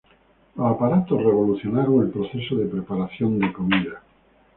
Los aparatos revolucionaron el proceso de preparación de comida.